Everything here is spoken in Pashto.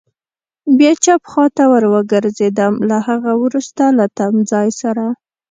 بیا چپ خوا ته ور وګرځېدو، له هغه وروسته له تمځای سره.